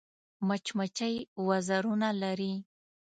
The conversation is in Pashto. مچمچۍ وزرونه لري